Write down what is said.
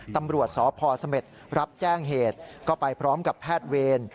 ตำรวจสพเสม็ดรับแจ้งเหตุก็ไปพร้อมกับแพทย์เวร